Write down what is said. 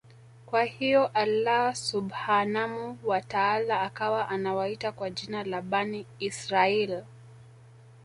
Kwa hiyo Allaah Subhaanahu wa Taala akawa Anawaita kwa jina la Bani Israaiyl